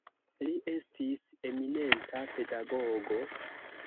Li estis eminenta pedagogo.